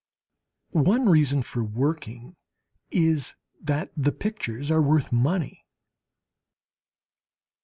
One reason for working is that the pictures are worth money.